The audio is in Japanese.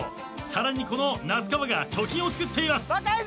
さらにこの那須川が貯金をつくっています。